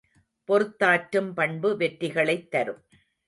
பொறுத்தாற்றும் பண்பு வெற்றிகளைத் தரும்.